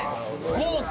豪華！